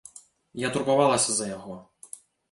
Я турбавалася за яго.